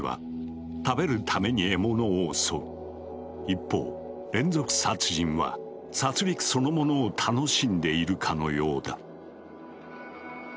一方連続殺人は殺りくそのものを楽しんでいるかのようだ。